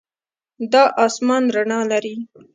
دا آسمان رڼا لري.